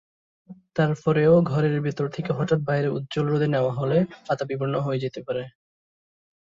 তারপরেও ঘরের ভেতর থেকে হঠাৎ বাইরে উজ্জ্বল রোদে নেওয়া হলে, পাতা বিবর্ণ হয়ে যেতে পারে।